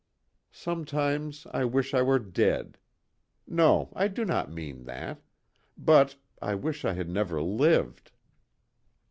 Sometimes I wish I were dead. No I do not mean that but, I wish I had never lived."